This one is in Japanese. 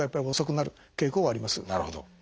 なるほど。